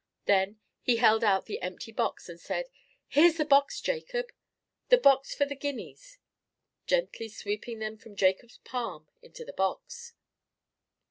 Then he held out the empty box, and said, "Here's the box, Jacob! The box for the guineas!" gently sweeping them from Jacob's palm into the box.